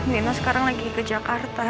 nino sekarang lagi ke jakarta